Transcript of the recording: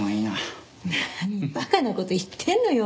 何馬鹿な事言ってんのよ！